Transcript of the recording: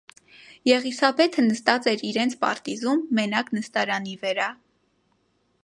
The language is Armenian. Եղիսաբեթը նստած էր իրենց պարտիզում մենակ նստարանի վերա: